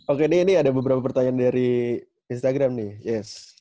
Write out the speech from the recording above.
oke ini ada beberapa pertanyaan dari instagram nih yes